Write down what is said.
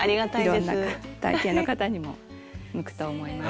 いろんな体型の方にも向くと思います。